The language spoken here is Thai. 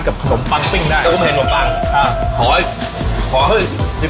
กับขนมปังปิ้งได้ต้องเห็นขนมปังอ่าขอขอเฮ้ยที่